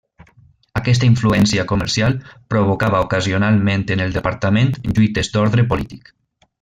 Aquesta influència comercial provocava ocasionalment en el departament lluites d'ordre polític.